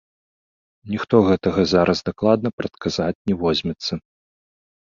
Ніхто гэтага зараз дакладна прадказаць не возьмецца.